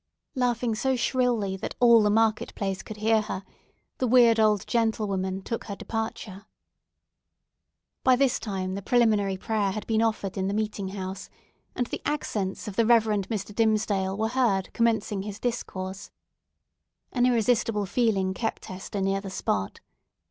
Laughing so shrilly that all the market place could hear her, the weird old gentlewoman took her departure. By this time the preliminary prayer had been offered in the meeting house, and the accents of the Reverend Mr. Dimmesdale were heard commencing his discourse. An irresistible feeling kept Hester near the spot.